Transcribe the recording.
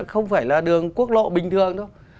không phải là đường quốc lộ bình thường đâu